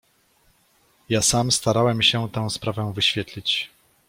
"Ja sam starałem się tę sprawę wyświetlić."